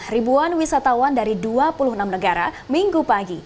ribuan wisatawan dari dua puluh enam negara minggu pagi